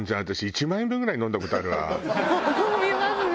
飲みますね。